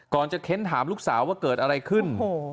จะเค้นถามลูกสาวว่าเกิดอะไรขึ้น